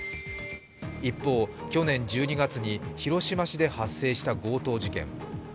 一方、去年１２月に広島市で発生した強盗事件。